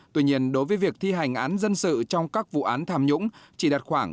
tuy nhiên đối với việc thi hành án dân sự trong các vụ án tham nhũng chỉ đạt khoảng